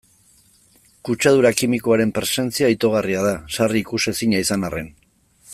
Kutsadura kimikoaren presentzia itogarria da, sarri ikusezina izan arren.